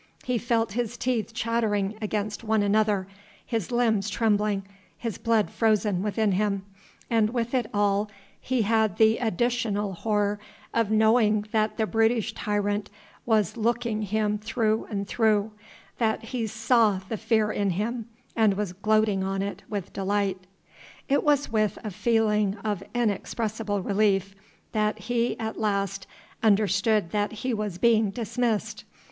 He felt his teeth chattering against one another, his limbs trembling, his blood frozen within him, and with it all he had the additional horror of knowing that the brutish tyrant was looking him through and through, that he saw the fear in him and was gloating on it with delight. It was with a feeling of inexpressible relief that he at last understood that he was being dismissed.